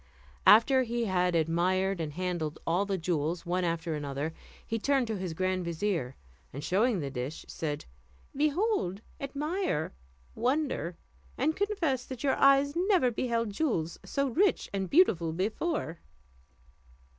After he had admired and handled all the jewels one after another, he turned to his grand vizier, and showing him the dish, said, "Behold, admire, wonder! and confess that your eyes never beheld jewels so rich and beautiful before."